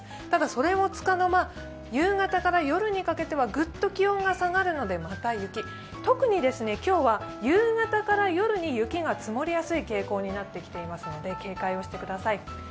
ただ、それもつかの間夕方から夜にかけてはグッと気温が下がるのでまた雪、特に今日は夕方から夜に雪が積もりやすい傾向になっていますので警戒してください。